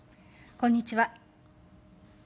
こんにちは。